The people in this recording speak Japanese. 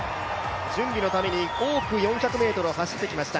準備のために多く４００ｍを走ってきました。